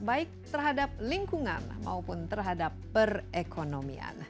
baik terhadap lingkungan maupun terhadap perekonomian